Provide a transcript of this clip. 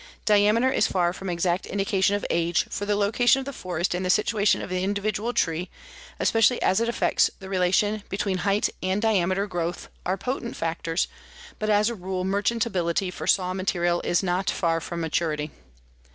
Diameter is far from exact indication of age, for the location of the forest and the situation of the individual tree, especially as it affects the relation between height and diameter growth, are potent factors, but as a rule merchantability for saw material is not far from maturity.